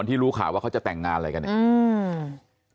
ที่รู้ข่าวว่าเขาจะแต่งงานอะไรกันเนี่ยอืม